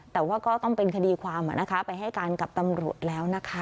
แต่ว่าก็ต้องเป็นคดีความไปให้การกับตำรวจแล้วนะคะ